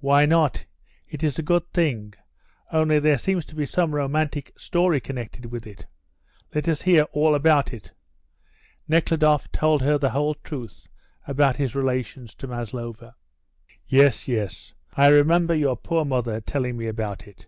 "Why not? It is a good thing, only there seems to be some romantic story connected with it. Let us hear all about it." Nekhludoff told her the whole truth about his relations to Maslova. "Yes, yes, I remember your poor mother telling me about it.